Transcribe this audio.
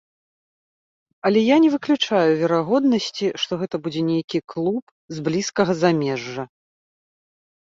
Але я не выключаю верагоднасці, што гэта будзе нейкі клуб з блізкага замежжа.